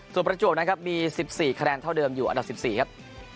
ส่วนประจวบนะครับมี๑๔คะแนนเท่าเดิมอยู่อันดับ๑๔ครับ